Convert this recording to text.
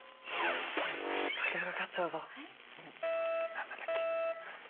何番だっけ？